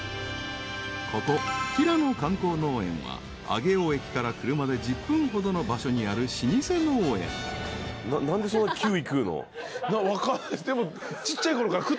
［ここ平野観光農園は上尾駅から車で１０分ほどの場所にある老舗農園］分からないです。